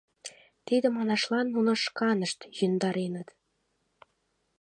Тыге манашлан нуно шканышт йӧндареныт...